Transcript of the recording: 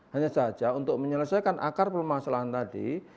hanya saja untuk menyelesaikan akar permasalahan tadi